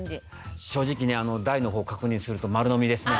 正直ね大のほうを確認すると丸飲みですね。